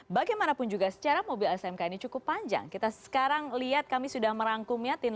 bagaimanapun juga secara mobil smk ini cukup panjang kita sekarang lihat kami sudah merangkumnya